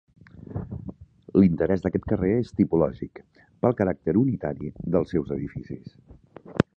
L'interès d'aquest carrer és tipològic, pel caràcter unitari dels seus edificis.